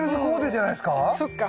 そっか。